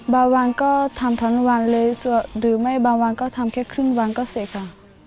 บางวันก็ทำทั้งวันเลยหรือไม่บางวันก็ทำแค่ครึ่งวันก็เสร็จค่ะ